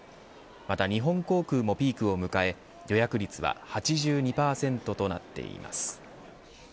また、日本航空もピークを迎え予約率は８２％となっています。